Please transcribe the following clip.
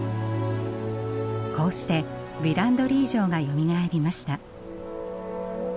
こうしてヴィランドリー城がよみがえりました。